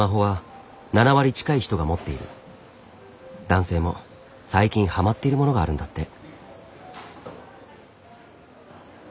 男性も最近ハマっているものがあるんだって。